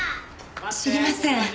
知りません。